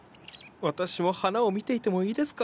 私も花を見ていてもいいですか？